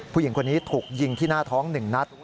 ผู้หญิงคนนี้ถูกยิงที่หน้าท้อง๑นัด